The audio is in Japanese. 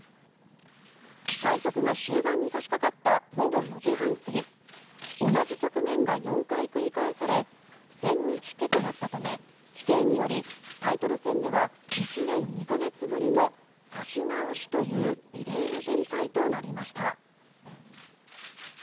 対局が終盤に差しかかった午後４時半過ぎ同じ局面が４回繰り返され千日手となったため規定によりタイトル戦では１年２か月ぶりの指し直しという異例の展開となりました。